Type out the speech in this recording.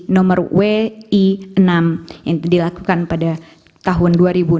nomor wi enam yang dilakukan pada tahun dua ribu enam belas